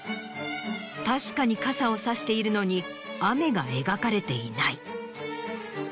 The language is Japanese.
確かに傘を差しているのに雨が描かれていない。